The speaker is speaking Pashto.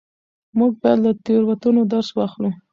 موږ باید له تېروتنو درس واخلو.